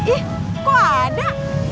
ih kok ada